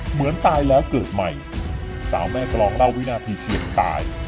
เหมือนตายแล้วเกิดใหม่สาวแม่กรองเล่าวินาทีเฉียดตาย